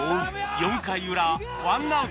４回裏ワンアウト